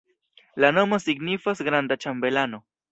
La nomo signifas granda-ĉambelano.